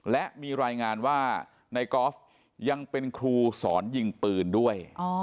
และมีรายงานว่าในกอล์ฟยังเป็นครูสอนยิงปืนด้วย